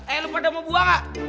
eh lu pada mau buah gak